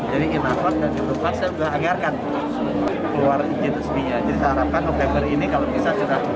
jadi inafak dan indovac sudah anggarkan